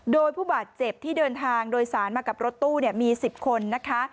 โดยผู้บาดเจ็บที่เดินทางโดยสารมากับรถตู้มี๑๐คนนะคะ